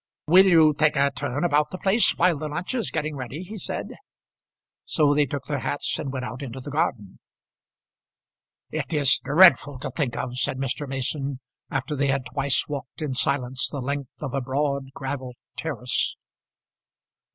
"Will you take a turn about the place while the lunch is getting ready?" he said. So they took their hats and went out into the garden. "It is dreadful to think of," said Mr. Mason, after they had twice walked in silence the length of a broad gravel terrace.